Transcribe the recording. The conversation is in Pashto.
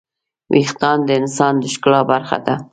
وېښتيان د انسان د ښکلا برخه ده.